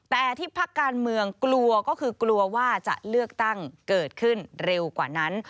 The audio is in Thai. แต่ที่พักการเมืองกลัวก็คือกลัวว่าจะเลือกตั้งเกิดขึ้นเร็วกว่านั้น